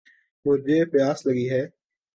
مجھے پیاس لگی ہے